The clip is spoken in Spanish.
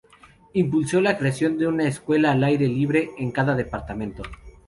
Impulsó la creación de una escuela al aire libre en cada departamento.